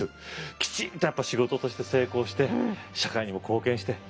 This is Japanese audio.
きちんとやっぱ仕事として成功して社会にも貢献して。